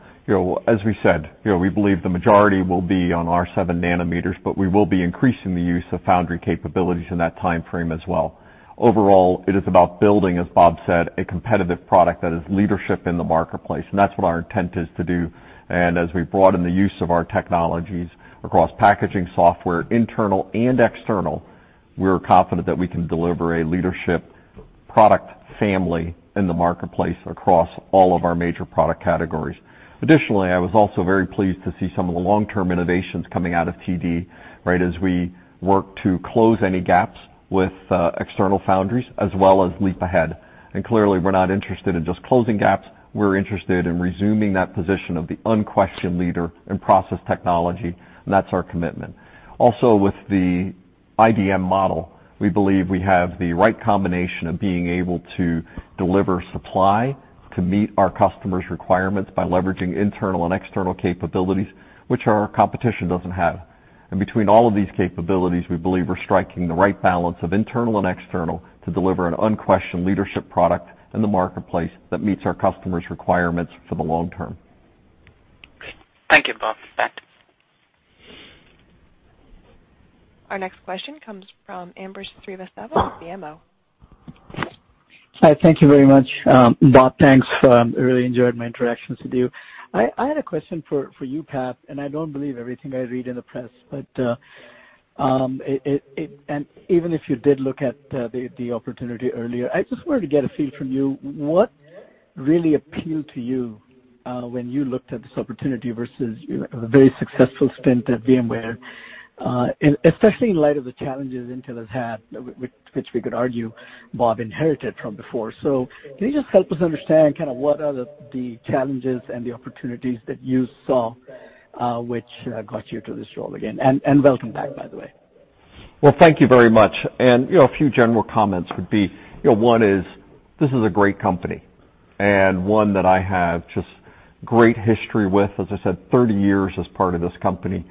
As we said, we believe the majority will be on our 7-nanometer, but we will be increasing the use of foundry capabilities in that timeframe as well. Overall, it is about building, as Bob said, a competitive product that has leadership in the marketplace, and that's what our intent is to do. As we broaden the use of our technologies across packaging software, internal and external, we're confident that we can deliver a leadership product family in the marketplace across all of our major product categories. Additionally, I was also very pleased to see some of the long-term innovations coming out of TD as we work to close any gaps with external foundries, as well as leap ahead. Clearly, we're not interested in just closing gaps. We're interested in resuming that position of the unquestioned leader in process technology, and that's our commitment. Also, with the IDM model, we believe we have the right combination of being able to deliver supply to meet our customers' requirements by leveraging internal and external capabilities, which our competition doesn't have. Between all of these capabilities, we believe we're striking the right balance of internal and external to deliver an unquestioned leadership product in the marketplace that meets our customers' requirements for the long term. Great. Thank you, Bob, Pat. Our next question comes from Ambrish Srivastava of BMO. Hi. Thank you very much. Bob, thanks. I really enjoyed my interactions with you. I had a question for you, Pat, and I don't believe everything I read in the press, and even if you did look at the opportunity earlier, I just wanted to get a feel from you, what really appealed to you when you looked at this opportunity versus a very successful stint at VMware, especially in light of the challenges Intel has had, which we could argue Bob inherited from before. Can you just help us understand kind of what are the challenges and the opportunities that you saw which got you to this role again? Welcome back, by the way. Well, thank you very much. A few general comments would be, one is, this is a great company, and one that I have just great history with. As I said, 30 years as part of this company.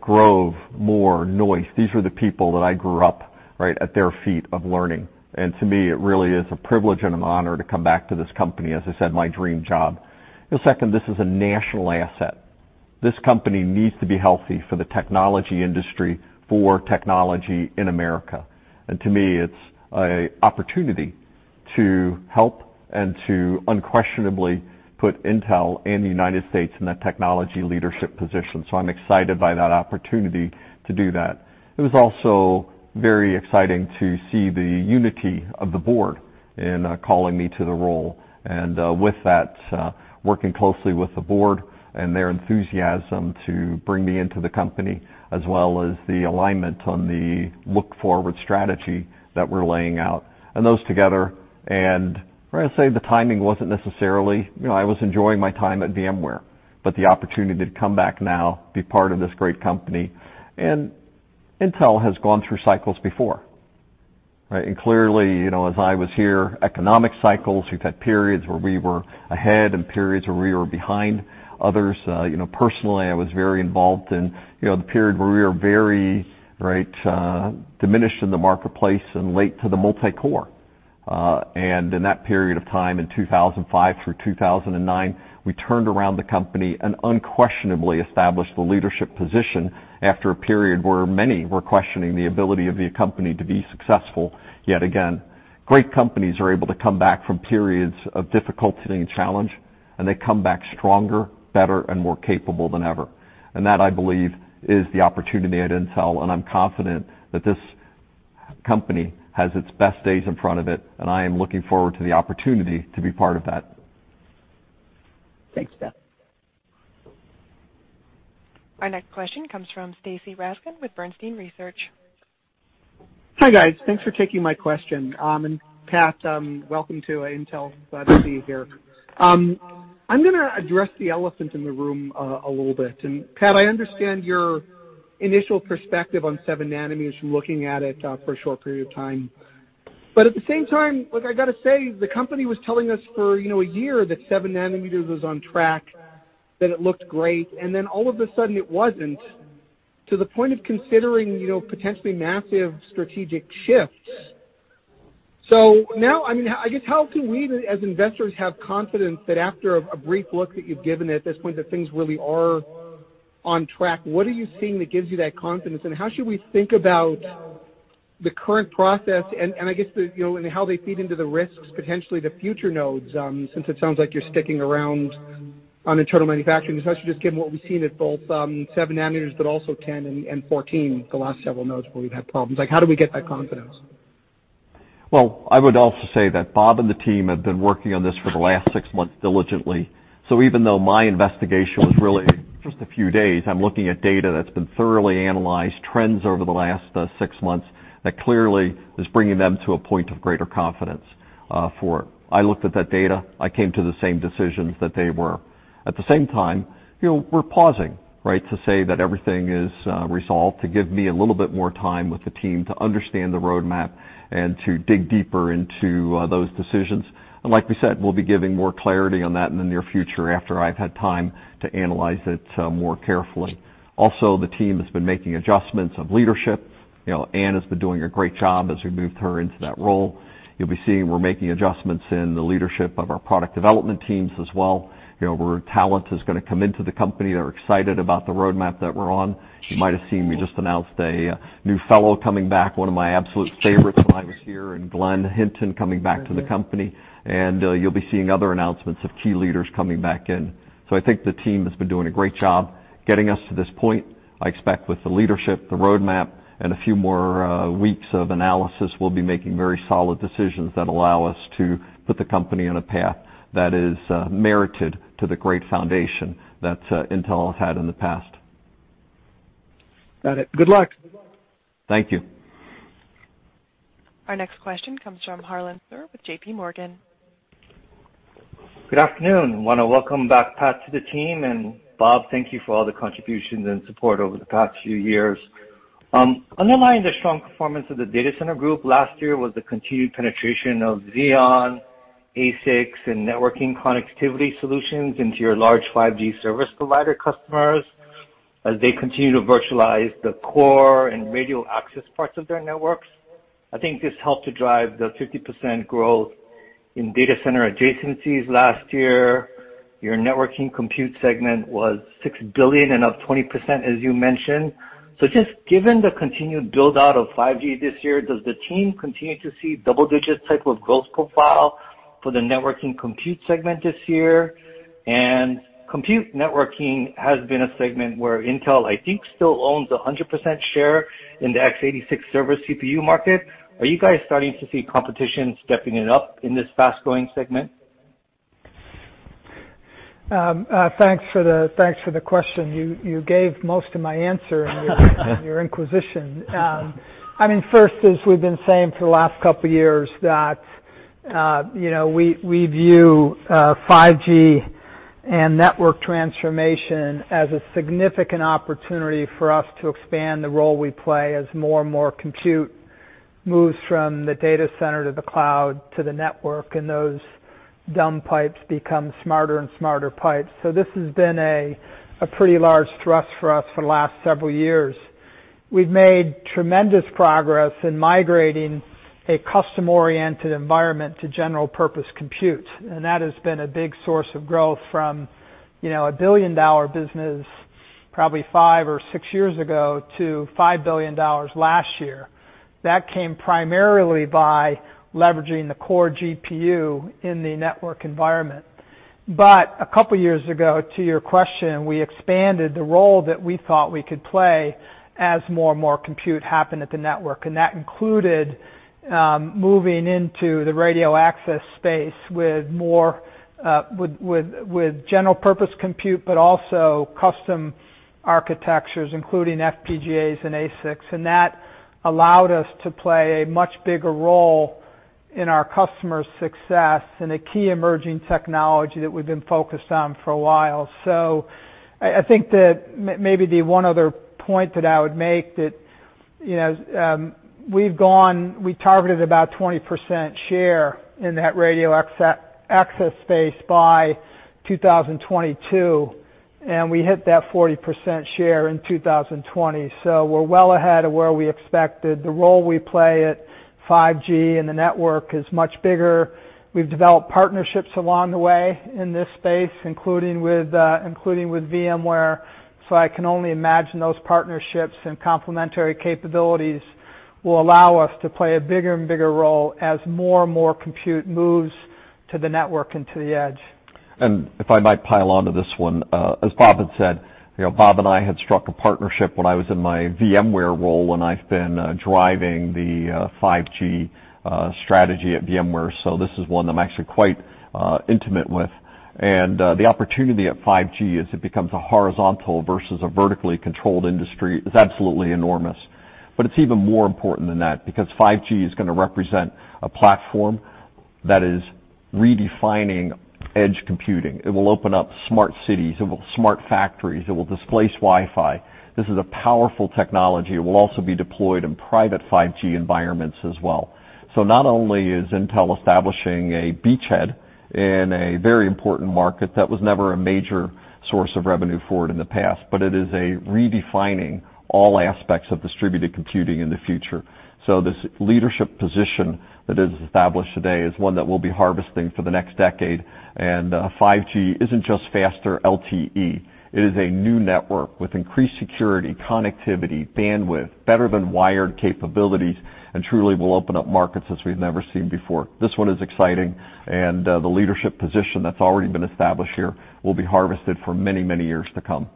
Grove, Moore, Noyce, these are the people that I grew up right at their feet of learning. To me, it really is a privilege and an honor to come back to this company, as I said, my dream job. Second, this is a national asset. This company needs to be healthy for the technology industry, for technology in America. To me, it's an opportunity to help and to unquestionably put Intel and the United States in a technology leadership position. I'm excited by that opportunity to do that. It was also very exciting to see the unity of the board in calling me to the role, with that, working closely with the board and their enthusiasm to bring me into the company, as well as the alignment on the look forward strategy that we're laying out. Those together, I'd say the timing wasn't necessarily, I was enjoying my time at VMware, but the opportunity to come back now, be part of this great company. Intel has gone through cycles before. Clearly, as I was here, economic cycles, we've had periods where we were ahead and periods where we were behind others. Personally, I was very involved in the period where we were very diminished in the marketplace and late to the multi-core. In that period of time, in 2005 through 2009, we turned around the company and unquestionably established the leadership position after a period where many were questioning the ability of the company to be successful yet again. Great companies are able to come back from periods of difficulty and challenge, and they come back stronger, better, and more capable than ever. That, I believe, is the opportunity at Intel, and I'm confident that this company has its best days in front of it, and I am looking forward to the opportunity to be part of that. Thanks, Pat. Our next question comes from Stacy Rasgon with Bernstein Research. Hi, guys. Thanks for taking my question. Pat, welcome to Intel. Glad to see you here. I'm going to address the elephant in the room a little bit. Pat, I understand your initial perspective on 7-nanometers from looking at it for a short period of time. At the same time, look, I got to say, the company was telling us for a year that 7-nanometers was on track, that it looked great, and then all of a sudden, it wasn't, to the point of considering potentially massive strategic shifts. Now, I guess, how can we, as investors, have confidence that after a brief look that you've given it at this point, that things really are on track? What are you seeing that gives you that confidence, and how should we think about the current process, and I guess, and how they feed into the risks, potentially, to future nodes, since it sounds like you're sticking around on internal manufacturing, especially just given what we've seen at both 7-nanometers, but also 10-nanometer and 14-nanometer, the last several nodes where we've had problems. How do we get that confidence? Well, I would also say that Bob and the team have been working on this for the last six months diligently. Even though my investigation was really just a few days, I'm looking at data that's been thoroughly analyzed, trends over the last six months that clearly is bringing them to a point of greater confidence for it. I looked at that data. I came to the same decisions that they were. At the same time, we're pausing to say that everything is resolved, to give me a little bit more time with the team to understand the roadmap and to dig deeper into those decisions. Like we said, we'll be giving more clarity on that in the near future after I've had time to analyze it more carefully. Also, the team has been making adjustments of leadership. Ann has been doing a great job as we moved her into that role. You'll be seeing we're making adjustments in the leadership of our product development teams as well, where talent is going to come into the company. They're excited about the roadmap that we're on. You might have seen we just announced a new fellow coming back, one of my absolute favorites when I was here, and Glenn Hinton coming back to the company. You'll be seeing other announcements of key leaders coming back in. I think the team has been doing a great job getting us to this point. I expect with the leadership, the roadmap, and a few more weeks of analysis, we'll be making very solid decisions that allow us to put the company on a path that is merited to the great foundation that Intel has had in the past. Got it. Good luck. Thank you. Our next question comes from Harlan Sur with JPMorgan. Good afternoon. I want to welcome back Pat to the team, and Bob, thank you for all the contributions and support over the past few years. Underlying the strong performance of the Data Center Group last year was the continued penetration of Xeon, ASICs, and networking connectivity solutions into your large 5G service provider customers, as they continue to virtualize the core and radio access parts of their networks. I think this helped to drive the 50% growth in data center adjacencies last year. Your networking compute segment was $6 billion and up 20%, as you mentioned. Just given the continued build-out of 5G this year, does the team continue to see double-digit type of growth profile for the networking compute segment this year? Compute networking has been a segment where Intel, I think, still owns 100% share in the x86 server CPU market. Are you guys starting to see competition stepping it up in this fast-growing segment? Thanks for the question. You gave most of my answer- in your inquisition. First, as we've been saying for the last couple of years that we view 5G and network transformation as a significant opportunity for us to expand the role we play as more and more compute moves from the data center to the cloud to the network, and those dumb pipes become smarter and smarter pipes. This has been a pretty large thrust for us for the last several years. We've made tremendous progress in migrating a custom-oriented environment to general purpose compute, and that has been a big source of growth from a billion-dollar business probably five or six years ago to $5 billion last year. That came primarily by leveraging the core GPU in the network environment. A couple of years ago, to your question, we expanded the role that we thought we could play as more and more compute happened at the network, and that included moving into the radio access space with general purpose compute, but also custom architectures, including FPGAs and ASICs. That allowed us to play a much bigger role in our customers' success in a key emerging technology that we've been focused on for a while. I think that maybe the one other point that I would make that we've targeted about 20% share in that radio access space by 2022, and we hit that 40% share in 2020. We're well ahead of where we expected. The role we play at 5G in the network is much bigger. We've developed partnerships along the way in this space, including with VMware, so I can only imagine those partnerships and complementary capabilities will allow us to play a bigger and bigger role as more and more compute moves to the network and to the edge. If I might pile onto this one. As Bob had said, Bob and I had struck a partnership when I was in my VMware role when I've been driving the 5G strategy at VMware. This is one that I'm actually quite intimate with. The opportunity at 5G as it becomes a horizontal versus a vertically controlled industry is absolutely enormous. It's even more important than that, because 5G is going to represent a platform that is redefining edge computing. It will open up smart cities, it will smart factories, it will displace Wi-Fi. This is a powerful technology. It will also be deployed in private 5G environments as well. Not only is Intel establishing a beachhead in a very important market that was never a major source of revenue for it in the past, but it is a redefining all aspects of distributed computing in the future. This leadership position that is established today is one that we'll be harvesting for the next decade. 5G isn't just faster LTE. It is a new network with increased security, connectivity, bandwidth, better than wired capabilities, and truly will open up markets as we've never seen before. This one is exciting, and the leadership position that's already been established here will be harvested for many, many years to come.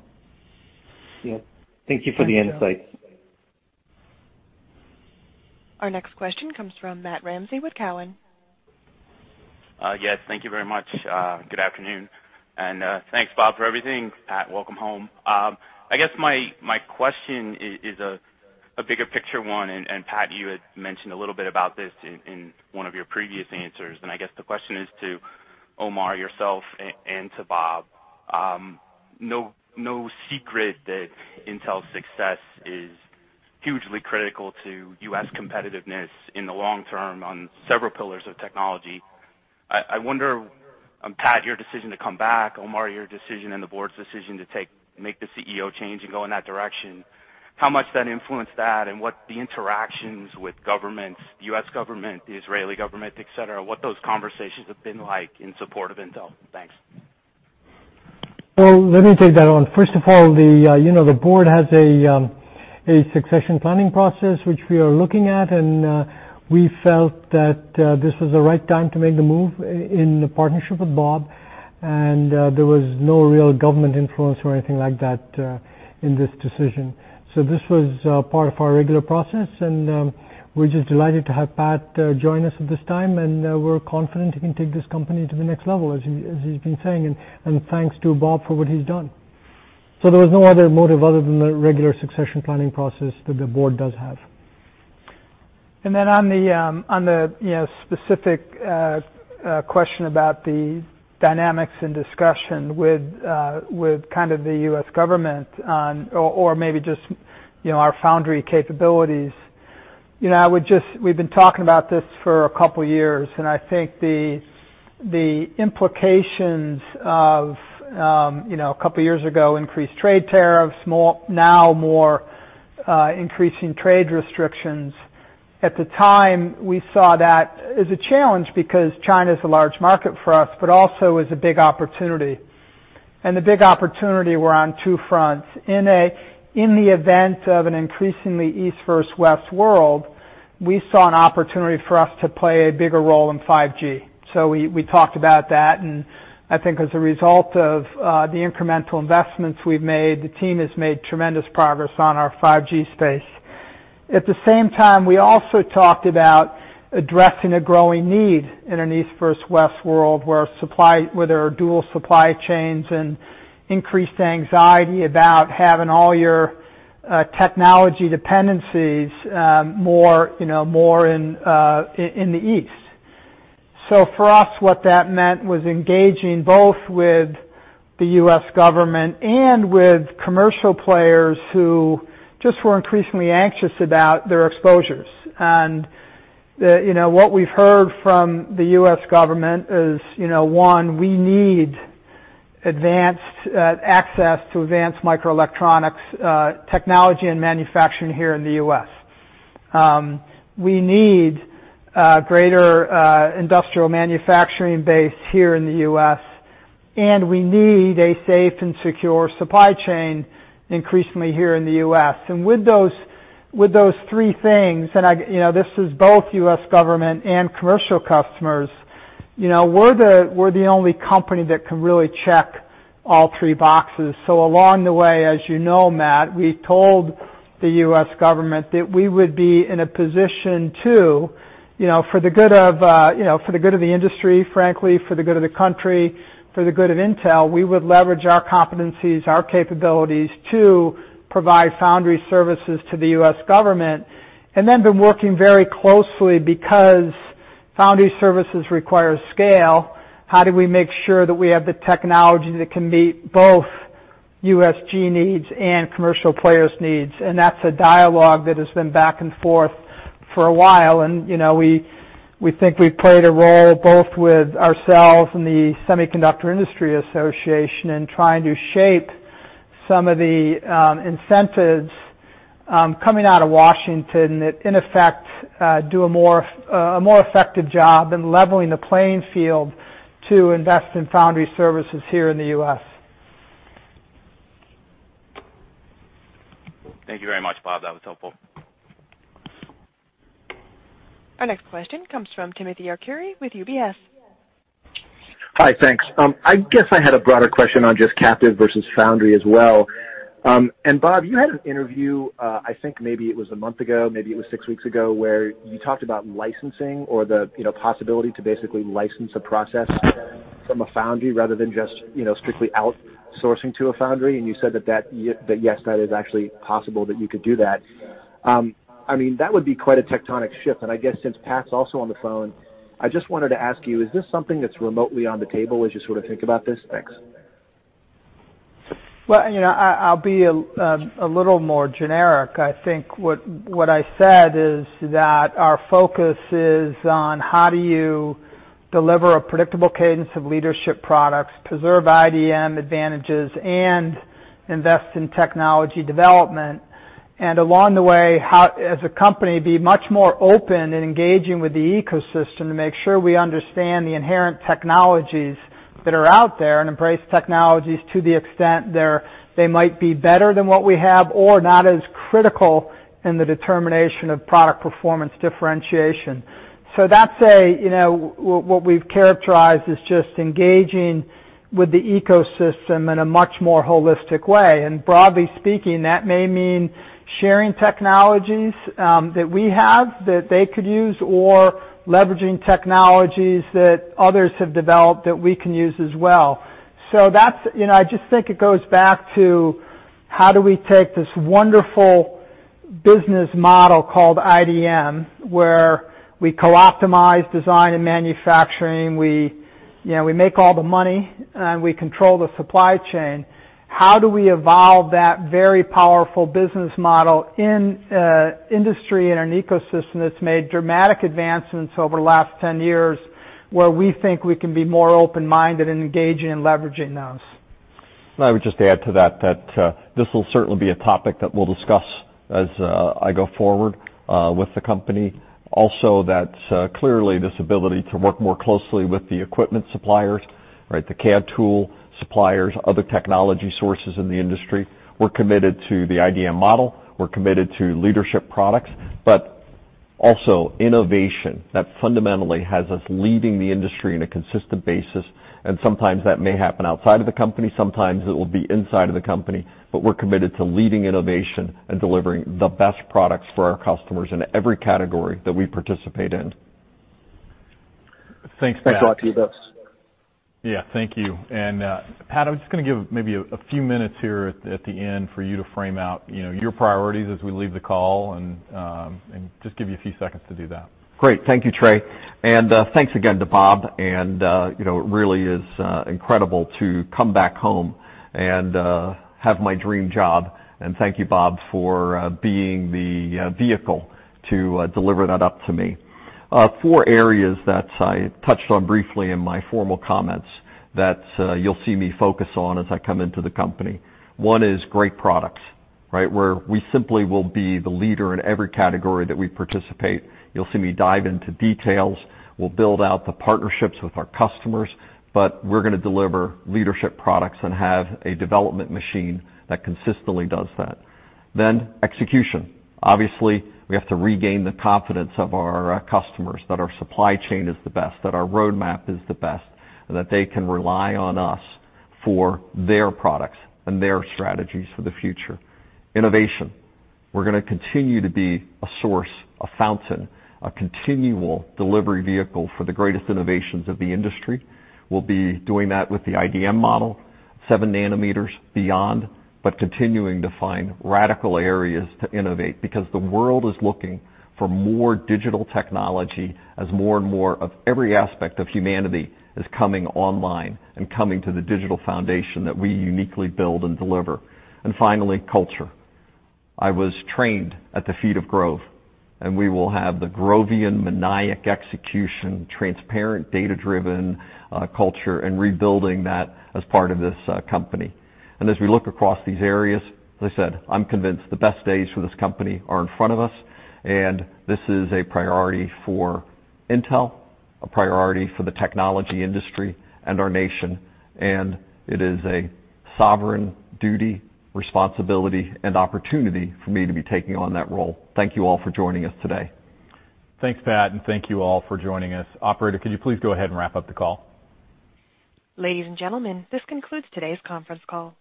Yeah. Thank you for the insight. Our next question comes from Matt Ramsay with Cowen. Yes, thank you very much. Good afternoon. Thanks, Bob, for everything. Pat, welcome home. I guess my question is a bigger picture one. Pat, you had mentioned a little bit about this in one of your previous answers, and I guess the question is to Omar, yourself, and to Bob. No secret that Intel's success is hugely critical to U.S. competitiveness in the long term on several pillars of technology. I wonder, Pat, your decision to come back, Omar, your decision and the board's decision to make the CEO change and go in that direction, how much that influenced that. What the interactions with governments, the U.S. government, the Israeli government, et cetera, what those conversations have been like in support of Intel. Thanks. Well, let me take that on. First of all, the board has a succession planning process, which we are looking at, and we felt that this was the right time to make the move in partnership with Bob. There was no real government influence or anything like that in this decision. This was part of our regular process, and we're just delighted to have Pat join us at this time. We're confident he can take this company to the next level, as he's been saying. Thanks to Bob for what he's done. There was no other motive other than the regular succession planning process that the board does have. On the specific question about the dynamics and discussion with kind of the U.S. government, or maybe just our foundry capabilities. We've been talking about this for a couple of years, and I think the implications of, a couple of years ago, increased trade tariffs, now more increasing trade restrictions. At the time, we saw that as a challenge because China's a large market for us, but also as a big opportunity. The big opportunity were on two fronts. In the event of an increasingly East versus West world, we saw an opportunity for us to play a bigger role in 5G. We talked about that, and I think as a result of the incremental investments we've made, the team has made tremendous progress on our 5G space. At the same time, we also talked about addressing a growing need in an East versus West world where there are dual supply chains and increased anxiety about having all your technology dependencies more in the East. For us, what that meant was engaging both with the U.S. government and with commercial players who just were increasingly anxious about their exposures. What we've heard from the U.S. government is, one, we need access to advanced microelectronics technology and manufacturing here in the U.S. We need a greater industrial manufacturing base here in the U.S., and we need a safe and secure supply chain increasingly here in the U.S. With those three things, this is both U.S. government and commercial customers, we're the only company that can really check all three boxes. Along the way, as you know, Matt, we told the U.S. government that we would be in a position to, for the good of the industry, frankly, for the good of the country, for the good of Intel, we would leverage our competencies, our capabilities to provide foundry services to the U.S. government. Then been working very closely because foundry services require scale. How do we make sure that we have the technology that can meet both U.S.G. needs and commercial players' needs? That's a dialogue that has been back and forth for a while, and we think we've played a role both with ourselves and the Semiconductor Industry Association in trying to shape some of the incentives coming out of Washington that, in effect, do a more effective job in leveling the playing field to invest in foundry services here in the U.S. Thank you very much, Bob. That was helpful. Our next question comes from Timothy Arcuri with UBS. Hi, thanks. I guess I had a broader question on just captive versus foundry as well. Bob, you had an interview, I think maybe it was a month ago, maybe it was six weeks ago, where you talked about licensing or the possibility to basically license a process from a foundry rather than just strictly outsourcing to a foundry, and you said that yes, that is actually possible that you could do that. That would be quite a tectonic shift, and I guess since Pat's also on the phone, I just wanted to ask you, is this something that's remotely on the table as you sort of think about this? Thanks. I'll be a little more generic. I think what I said is that our focus is on how do you deliver a predictable cadence of leadership products, preserve IDM advantages, and invest in technology development. Along the way, as a company, be much more open in engaging with the ecosystem to make sure we understand the inherent technologies that are out there and embrace technologies to the extent they might be better than what we have or not as critical in the determination of product performance differentiation. That's what we've characterized is just engaging with the ecosystem in a much more holistic way. Broadly speaking, that may mean sharing technologies that we have that they could use or leveraging technologies that others have developed that we can use as well. I just think it goes back to how do we take this wonderful business model called IDM, where we co-optimize design and manufacturing, we make all the money, and we control the supply chain. How do we evolve that very powerful business model in an industry, in an ecosystem, that's made dramatic advancements over the last 10 years, where we think we can be more open-minded and engaging in leveraging those? I would just add to that this will certainly be a topic that we'll discuss as I go forward with the company. Also that clearly, this ability to work more closely with the equipment suppliers, the CAD tool suppliers, other technology sources in the industry, we're committed to the IDM model. We're committed to leadership products, but also innovation that fundamentally has us leading the industry on a consistent basis, and sometimes that may happen outside of the company, sometimes it will be inside of the company. We're committed to leading innovation and delivering the best products for our customers in every category that we participate in. Thanks, Pat. Thanks a lot to you both. Yeah, thank you. Pat, I'm just going to give maybe a few minutes here at the end for you to frame out your priorities as we leave the call, and just give you a few seconds to do that. Great. Thank you, Trey. Thanks again to Bob, it really is incredible to come back home and have my dream job. Thank you, Bob, for being the vehicle to deliver that up to me. Four areas that I touched on briefly in my formal comments that you'll see me focus on as I come into the company. One is great products, where we simply will be the leader in every category that we participate. You'll see me dive into details. We'll build out the partnerships with our customers, but we're going to deliver leadership products and have a development machine that consistently does that. Execution. Obviously, we have to regain the confidence of our customers that our supply chain is the best, that our roadmap is the best, and that they can rely on us for their products and their strategies for the future. Innovation. We're going to continue to be a source, a fountain, a continual delivery vehicle for the greatest innovations of the industry. We'll be doing that with the IDM model, 7-nanometers beyond, but continuing to find radical areas to innovate because the world is looking for more digital technology as more and more of every aspect of humanity is coming online and coming to the digital foundation that we uniquely build and deliver. Finally, culture. I was trained at the feet of Grove, and we will have the Grovian maniac execution, transparent, data-driven culture, and rebuilding that as part of this company. As we look across these areas, as I said, I'm convinced the best days for this company are in front of us, and this is a priority for Intel, a priority for the technology industry and our nation, and it is a sovereign duty, responsibility, and opportunity for me to be taking on that role. Thank you all for joining us today. Thanks, Pat, and thank you all for joining us. Operator, could you please go ahead and wrap up the call? Ladies and gentlemen, this concludes today's conference call.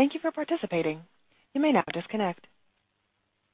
Thank you for participating. You may now disconnect.